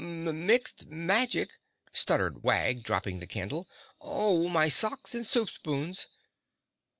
"Mixed magic!" stuttered Wag, dropping the candle. "Oh, my socks and soup spoons!"